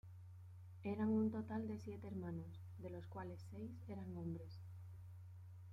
Eran un total de siete hermanos, de los cuales seis eran hombres.